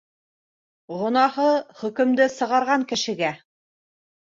Гонаһы хөкөмдө сығарған кешегә.